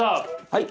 はい。